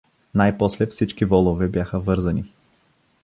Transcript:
Най-после всички волове бяха вързани.